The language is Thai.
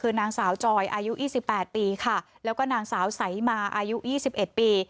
คือนางสาวจอยอายุอิสยาปแบบนี้ค่ะแล้วก็หนังสาวไสมาอายุอีสิบแปดปี